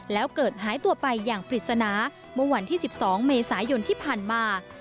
แล้วเกิดหายตัวไปอย่างปริศนาเมื่อวันที่๑๒เมษายนที่ผ่านมา